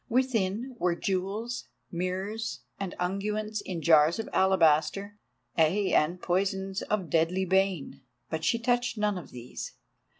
Within were jewels, mirrors, and unguents in jars of alabaster—ay, and poisons of deadly bane; but she touched none of these.